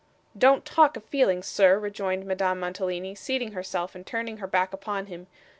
'Don't talk of feelings, sir,' rejoined Madame Mantalini, seating herself, and turning her back upon him.